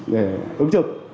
để ứng trực